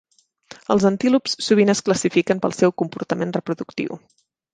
Els antílops sovint es classifiquen pel seu comportament reproductiu.